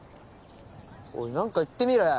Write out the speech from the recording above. ・おい何か言ってみろよ。